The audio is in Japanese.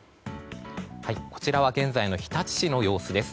こちらは現在の日立市の様子です。